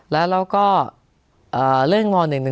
และเราก็เรื่องว๑๑๒